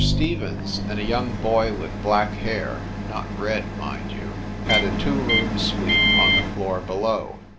Stevens and a young boy with black hair not red, mind you had a two room suite on the floor below.